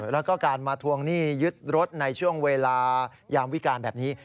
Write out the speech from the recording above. แล้วก็การมาทวงหนี้ยึดรถในช่วงเวลายามวิการแบบนี้